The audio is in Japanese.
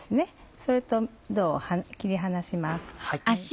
それと胴を切り離します。